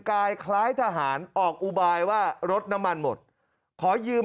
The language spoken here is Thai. กายคล้ายทหารออกอุบายว่ารถน้ำมันหมดขอยืม